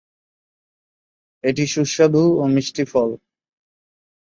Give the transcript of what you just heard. এটি সুস্বাদু ও মিষ্টি ফল।